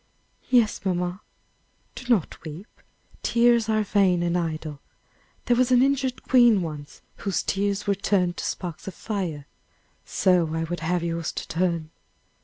"Yes, mamma." "Do not weep; tears are vain and idle. There was an injured queen once whose tears were turned to sparks of fire. So I would have yours to turn!